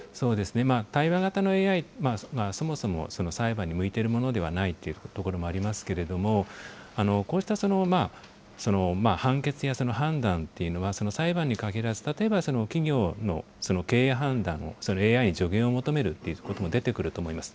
対話型のＡＩはそもそも裁判に向いているものではないというところもありますけれども、こうした判決や判断というのは裁判に限らず、例えば企業の経営判断をＡＩに助言を求めるということも出てくると思います。